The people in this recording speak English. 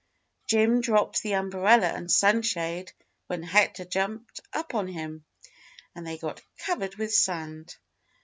Jim dropped the umbrella and sunshade when Hector jumped up on him, and they got covered with sand.